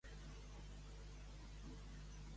Qui més fa, manco guanya.